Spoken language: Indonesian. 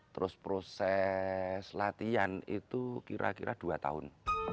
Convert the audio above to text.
terus proses latihan itu kira kira dua tahun